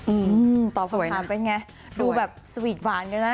อืมตอบคำถามเป็นไงดูแบบสวีทหวานกันนะ